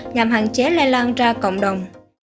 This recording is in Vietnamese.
nhằm hạn chế lây lan ra cộng đồng